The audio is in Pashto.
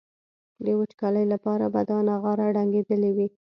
د وچکالۍ لپاره به دا نغاره ډنګېدلي وي.